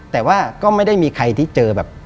แต่ว่าก็ไม่ได้มีใครที่เจอแบบ